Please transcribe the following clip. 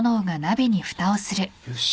よし。